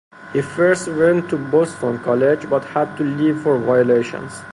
He first went to Boston College, but had to leave for violations.